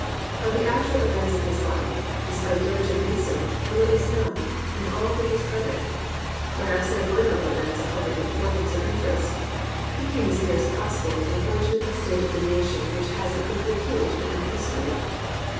Of the actual events of his life, despite diligent research, little is known, and all to his credit. Per haps there were no events of public importance or interest. He came as near as possible to the fortu 294 A QUAINT COMRADE nate estate of the nation which has a good repute but no history.